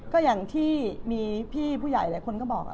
ก็อย่างที่มีพี่ผู้ใหญ่หลายคนก็บอก